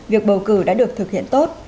việc bầu cử đã được thực hiện tốt